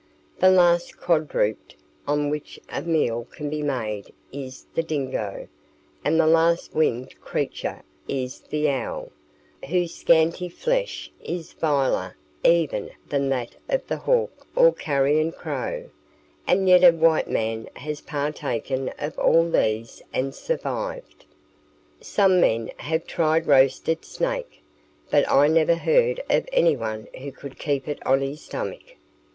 The last quadruped on which a meal can be made is the dingo, and the last winged creature is the owl, whose scanty flesh is viler even than that of the hawk or carrion crow, and yet a white man has partaken of all these and survived. Some men have tried roasted snake, but I never heard of anyone who could keep it on his stomach.